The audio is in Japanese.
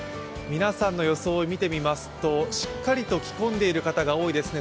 皆さんの装い見てみますと、しっかりと着込んでいる方が多いですね。